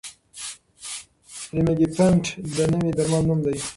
ریمیګیپینټ د نوي درمل نوم دی.